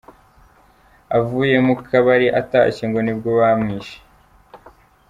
Avuye mu kabari atashye ngo nibwo bamwishe.